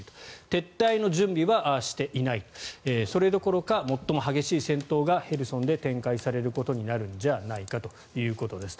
撤退の準備はしていないそれどころか最も激しい戦闘がヘルソンで展開されることになるんじゃないかということです